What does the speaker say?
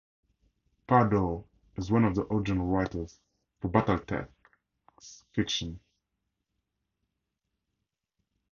Pardoe is one of the original writers for "Battletech"'s fiction.